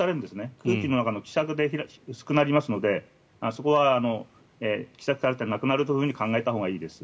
空気の中の希釈で薄くなりますのでそこは希釈されてなくなるというふうに考えたほうがいいです。